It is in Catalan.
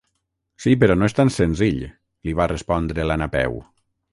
Sí, però no és tan senzill —li va respondre la Napeu—.